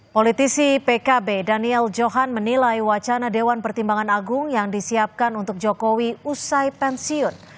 politisi pkb daniel johan menilai wacana dewan pertimbangan agung yang disiapkan untuk jokowi usai pensiun